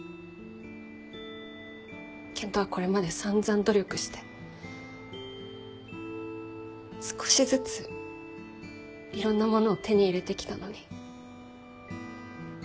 健人はこれまで散々努力して少しずついろんなものを手に入れてきたのに。